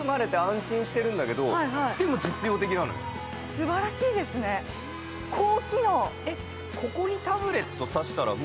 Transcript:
すばらしいですね、高機能。